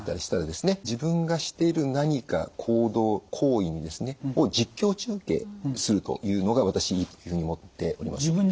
自分がしている何か行動行為を実況中継するというのが私いいというふうに思っております。